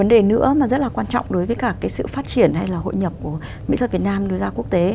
đó mà rất là quan trọng đối với cả cái sự phát triển hay là hội nhập của mỹ thuật việt nam đối ra quốc tế